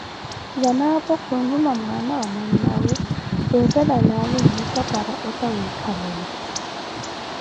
Zanapo khunruma mwana wa mannawe weettela laavi nyupa para ota wiikhalela